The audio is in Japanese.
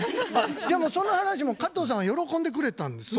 でもその話も加藤さんは喜んでくれたんですね？